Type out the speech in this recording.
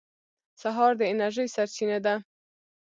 سهار د انرژۍ سرچینه ده.